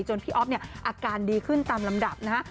พี่อ๊อฟเนี่ยอาการดีขึ้นตามลำดับนะฮะ